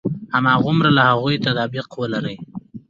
هماغومره له هغوی تطابق ولري.